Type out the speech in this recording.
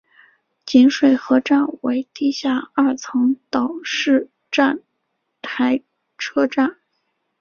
锦水河站为地下二层岛式站台车站。